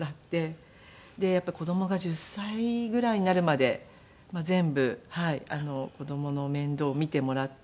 子供が１０歳ぐらいになるまで全部子供の面倒を見てもらって。